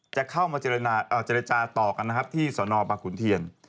จะเข้ามาเจรจาต่อกันที่สนประขุนเทียน